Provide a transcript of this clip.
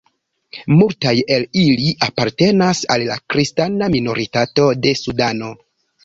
Multaj el ili apartenas al la kristana minoritato de Sudano.